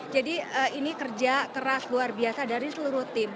jadi ini kerja keras luar biasa dari seluruh tim